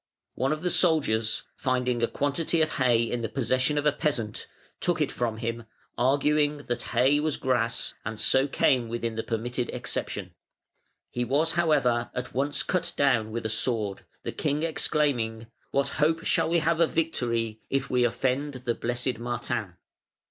One of the soldiers, finding a quantity of hay in the possession of a peasant, took it from him, arguing that hay was grass, and so came within the permitted exception. He was, however, at once cut down with a sword, the king exclaiming. "What hope shall we have of victory if we offend the blessed Martin?"